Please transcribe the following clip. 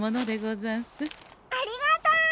ありがとう！